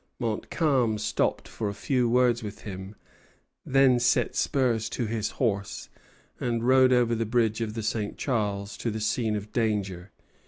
Montcalm stopped for a few words with him; then set spurs to his horse, and rode over the bridge of the St. Charles to the scene of danger.